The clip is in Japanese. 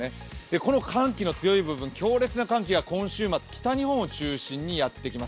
この寒気の強い部分、強烈な寒気が今週末、北日本を中心にやってきます。